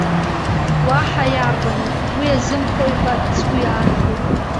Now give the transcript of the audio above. Уаҳа иарбану, уи азымхои ҳәа сгәы иаанагон.